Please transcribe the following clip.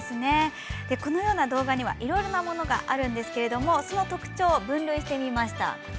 このような動画にはいろいろなものがあるんですがその特徴を分類してみました。